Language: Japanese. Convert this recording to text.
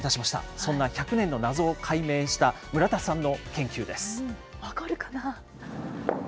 そんな１００年の謎を解明した村分かるかな。